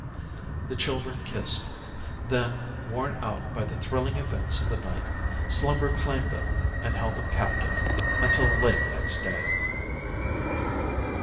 The children kissed. Then, worn out by the thrilling events of the night, slumber claimed them and held them captive until late next day.